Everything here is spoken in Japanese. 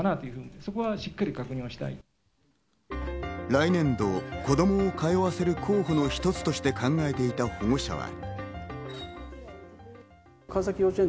来年度、子供を通わせる候補の一つとして考えていた保護者は。